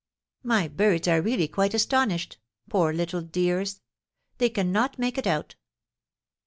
My birds are really quite astonished. Poor little dears! They cannot make it out.